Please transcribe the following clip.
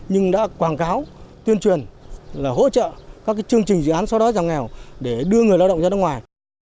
nhưng đã quảng cáo tuyên truyền là hỗ trợ các chương trình dự án sau đó giảm nghèo để đưa người lao động ra nước ngoài